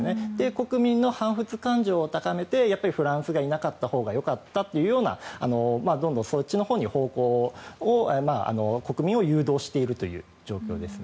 国民の反仏感情を高めてフランスがいなかったほうがよかったっていうようなどんどんそっちのほうに、方向を国民を誘導しているという状況です。